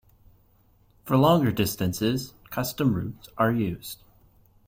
For longer distances, custom routes are used.